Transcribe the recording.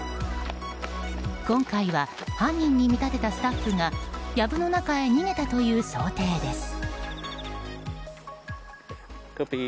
今回は犯人に見立てたスタッフが藪の中へ逃げたという想定です。